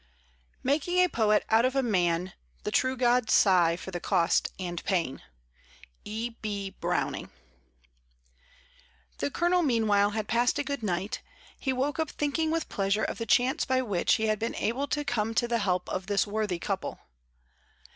Making a poet out of a man, The true gods sigh for the cost and pain. E. B. Browning. The Colonel meanwhile had passed a good night, he woke up thinking with pleasure of the chance by which he had been able to come to the help of this worthy couple.